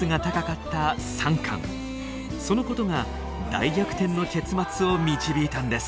そのことが大逆転の結末を導いたんです。